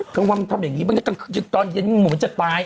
กลางวันทำอย่างงี้บ้างนะกลางคือตอนเย็นมันหมดจะตาย